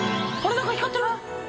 なんか光ってる？